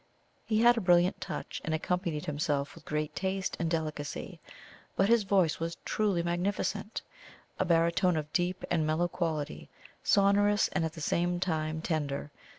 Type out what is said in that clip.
He had a brilliant touch, and accompanied himself with great taste and delicacy; but his voice was truly magnificent a baritone of deep and mellow quality, sonorous, and at the same time tender.